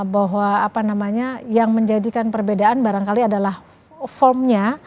bahwa apa namanya yang menjadikan perbedaan barangkali adalah formnya